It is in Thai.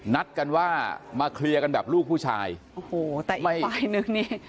นัดกันว่ามาเคลียร์กันแบบลูกผู้ชายโอ้โหแต่อีกฝ่ายนึงนี่